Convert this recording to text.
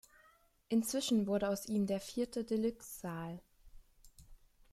Inzwischen wurde aus ihm der vierte Deluxe-Saal.